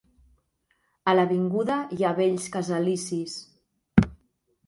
A l'avinguda hi ha bells casalicis.